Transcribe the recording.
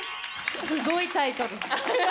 すごいタイトル。